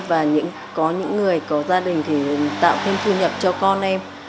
và có những người có gia đình thì tạo thêm thu nhập cho con em